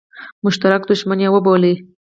مشترک دښمن وبولي.